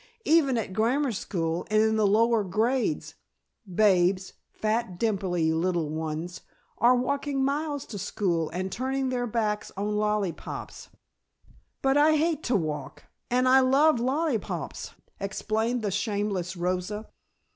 "Even at grammar school, and in the lower grades, babes, fat dimply little ones, are walking miles to school and turning their backs on lollipops." "But I hate to walk and I love lollipops," explained the shameless Rosa.